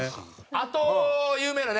あと有名なね